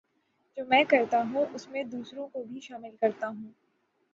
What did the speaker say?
جو میں کرتا ہوں اس میں دوسروں کو بھی شامل کرتا ہوں